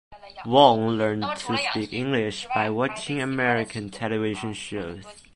Wong learned to speak English by watching American television shows.